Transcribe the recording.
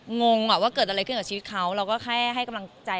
งงว่าเกิดอะไรขึ้นกับชีวิตเขาเราก็แค่ให้กำลังใจ